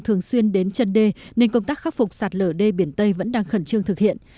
các ngành chức năng địa phương thường xuyên đến chân đê nên công tác khắc phục sạt lửa đê biển tây vẫn đang khẩn trương thực hiện